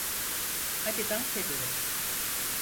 Hadi dans edelim.